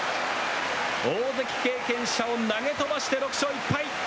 大関経験者を投げ飛ばして６勝１敗。